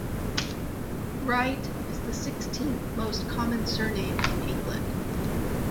"Wright" is the sixteenth most common surname in England.